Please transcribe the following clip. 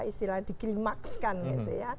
istilahnya di kilimakskan gitu ya